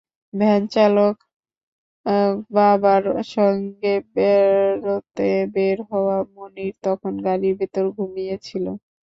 ভ্যানচালক বাবার সঙ্গে বেড়াতে বের হওয়া মনির তখন গাড়ির ভেতর ঘুমিয়ে ছিল।